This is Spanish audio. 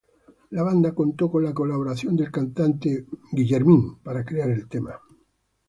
La banda contó con la colaboración del cantante will.i.am para crear el tema.